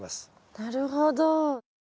なるほど。